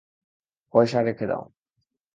পয়সা রেখে দাও।